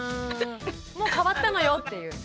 もう変わったのよっていう。